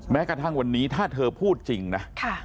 แม้กระทั่งวันนี้ถ้าเธอพูดจริงนะ